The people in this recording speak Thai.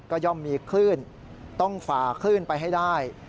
ก็ย่อมมีคลื่นต้องฝ่าคลื่นไปให้ได้